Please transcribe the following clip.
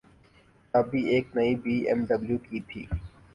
چابی ایک نئی بی ایم ڈبلیو کی تھی۔